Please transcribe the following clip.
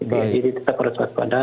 jadi tetap harus waspada